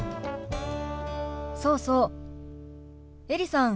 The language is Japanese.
そうそうエリさん。